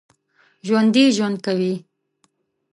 ژوندي ژوند کوي